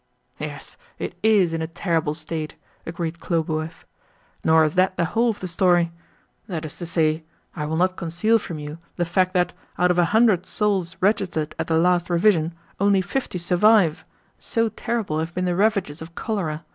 "Yes, it IS in a terrible state," agreed Khlobuev. "Nor is that the whole of the story. That is to say, I will not conceal from you the fact that, out of a hundred souls registered at the last revision, only fifty survive, so terrible have been the ravages of cholera.